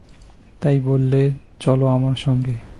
তাই বললে, চলো আমার সঙ্গে।